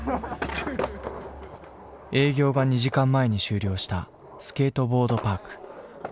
営業が２時間前に終了したスケートボードパーク。